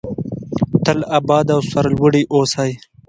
تل اباد او سرلوړي اوسئ.